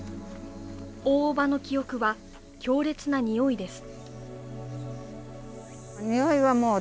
大伯母の記憶は、強烈な臭いです。